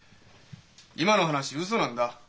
今の話ウソなんだ。